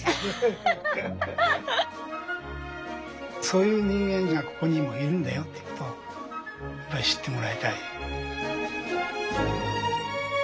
そういう人間がここにもいるんだよってことをやっぱり知ってもらいたい。